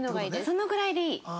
そのぐらいでいい。